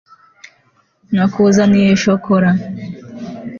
nakuzaniye shokora